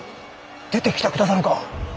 出てきてくださるか。